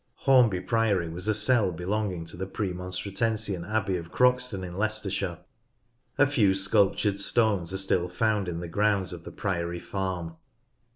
Hornby Priory was a cell belon<rin2: to the Premon J J C? O stratensian abbey of Croxton in Leicestershire. A few sculptured stones are still found in the grounds of the Priory Farm.